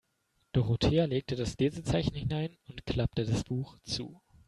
Dorothea legte das Lesezeichen hinein und klappte das Buch zu.